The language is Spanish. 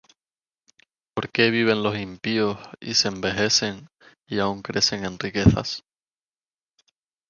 ¿Por qué viven los impíos, Y se envejecen, y aun crecen en riquezas?